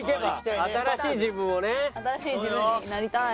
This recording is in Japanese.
新しい自分になりたい。